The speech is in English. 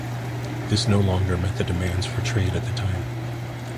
This no longer met the demands for trade at the time.